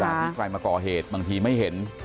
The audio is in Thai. ที่ใครมาก่อเหตุบางทีไม่เห็น